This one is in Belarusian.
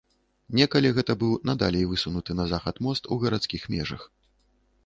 Некалі гэта быў найдалей высунуты на захад мост у гарадскіх межах.